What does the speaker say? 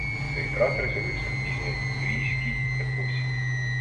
Цей кратер з'явився в пізньоімбрійській епосі.